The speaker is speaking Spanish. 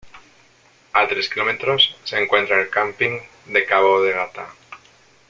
A tres kilómetros se encuentra el camping de Cabo de Gata.